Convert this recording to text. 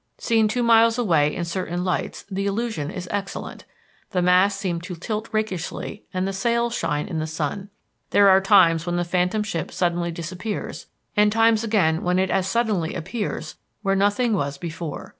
Seen two miles away in certain lights the illusion is excellent. The masts seem to tilt rakishly and the sails shine in the sun. There are times when the Phantom Ship suddenly disappears, and times again when it as suddenly appears where nothing was before.